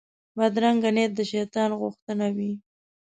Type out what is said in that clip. بدرنګه نیت د شیطان غوښتنه وي